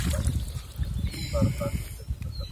موږ چي ول دا شی به مات نه سي